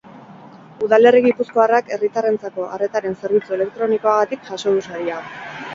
Udalerri gipuzkoarrak herritarrentzako arretaren zerbitzu elektronikoagatik jaso du saria.